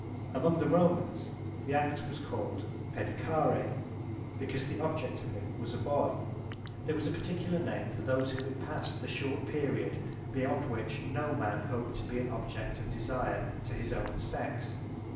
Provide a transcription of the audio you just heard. Among the Romans the act was called Paedicare because the object of it was a boy. There was a particular name for those who had past the short period beyond which no man hoped to be an object of desire to his own sex.